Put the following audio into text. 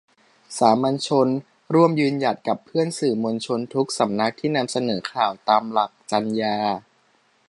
สามัญชน ร่วมยืนหยัด กับเพื่อนสื่อมวลชนทุกสำนัก ที่นำเสนอข่าวตามหลักจรรยา